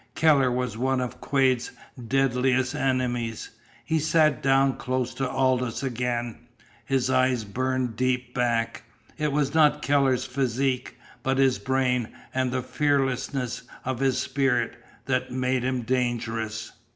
Keller was one of Quade's deadliest enemies. He sat down close to Aldous again. His eyes burned deep back. It was not Keller's physique, but his brain, and the fearlessness of his spirit, that made him dangerous.